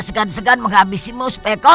segan segan menghabisimu supaya kau